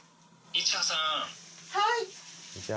はい！